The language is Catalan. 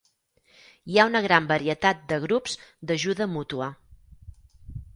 Hi ha una gran varietat de grups d'ajuda mútua.